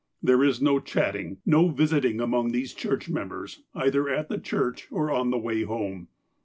There is no chatting, no visiting among these church members, either at the church or on the way home.